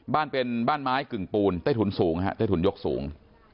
บ้านเป็นบ้านไม้กึ่งปูนใต้ถุนสูงฮะใต้ถุนยกสูง